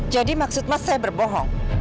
jadi maksud mas saya berbohong